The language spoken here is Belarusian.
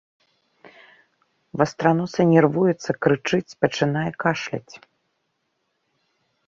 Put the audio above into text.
Вастраносы нервуецца, крычыць, пачынае кашляць.